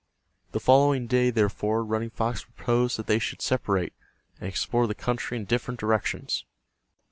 The following day, therefore, Running Fox proposed that they should separate, and explore the country in different directions.